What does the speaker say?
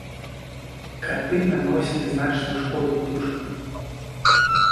Каты наносілі значную шкоду птушкам.